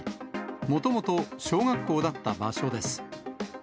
もともと小学校だった場所です。